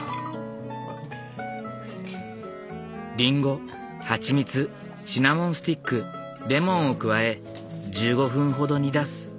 リンゴ蜂蜜シナモンスティックレモンを加え１５分ほど煮出す。